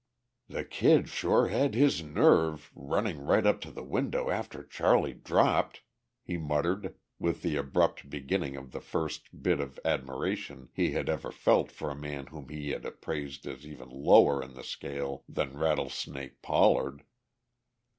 "The Kid sure had his nerve, running right up to the window after Charley dropped," he muttered, with the abrupt beginning of the first bit of admiration he had ever felt for a man whom he had appraised as even lower in the scale than "Rattlesnake" Pollard.